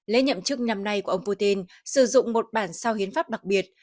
lễ nhậm chức năm nay của ông putin sử dụng một bản sao hiến pháp đặc biệt